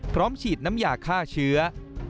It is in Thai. พร้อมฉีดน้ำยาฆ่าเชื้อ